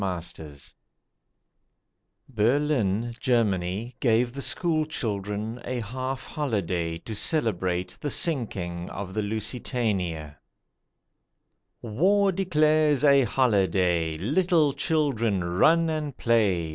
A HOLIDAY Berlin, Germany, gave the school children a half holiday to celebrate the sinking of the Lusitania. WAR declares a holiday; Little children, run and play.